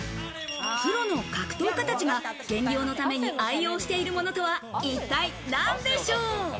プロの格闘家たちが減量のために愛用しているものとは一体なんでしょう？